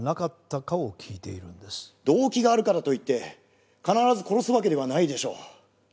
動機があるからといって必ず殺すわけではないでしょう。